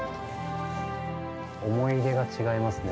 思い入れが違いますね。